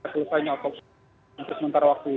selesainya otopsi untuk sementara waktu